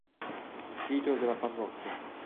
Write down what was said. Sito della parrocchia